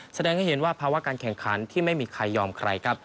แสดงให้เห็นว่าภาวะการแข่งขันที่ไม่มีใครยอมใครครับ